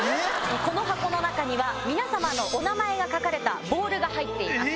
この箱の中には、皆様のお名前が書かれたボールが入っています。